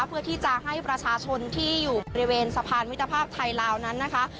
เพื่อที่จะให้ประชาชนที่อยู่บริเวณสะพานมิตรภาพไทยลาวนั้นนะคะ